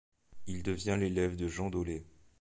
Il devient l'élève de Jean Daullé.